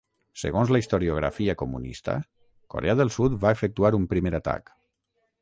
Segons la historiografia comunista Corea del Sud va efectuar un primer atac.